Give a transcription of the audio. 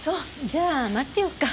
じゃあ待ってようか。